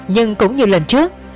nhưng cũng như lần trước